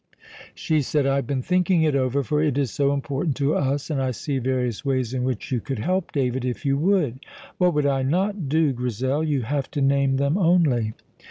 She said: "I have been thinking it over, for it is so important to us, and I see various ways in which you could help David, if you would." "What would I not do, Grizel! You have to name them only."